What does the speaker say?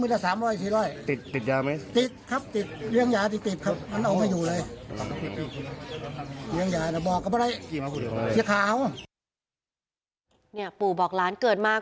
ปู่บอกปู่บอกปู่บอกปู่บอกปู่บอกปู่บอกปู่บอกปู่บอกปู่บอก